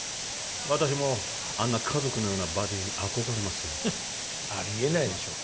私もあんな家族のようなバディに憧れますふんっありえないでしょう